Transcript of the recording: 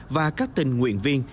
và các tình nguyện viên